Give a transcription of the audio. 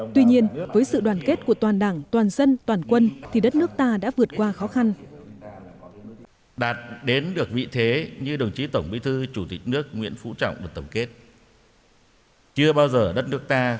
tuy nhiên với sự đoàn kết của toàn đảng toàn dân toàn quân thì đất nước ta đã vượt qua khó khăn